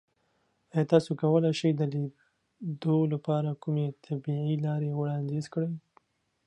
ایا تاسو کولی شئ د لیدو لپاره کومې طبیعي لارې وړاندیز کړئ؟